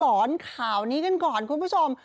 อนข่าวนี้กันก่อนคุณผู้ชม